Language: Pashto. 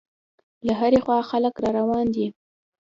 له هرې خوا خلک را روان دي.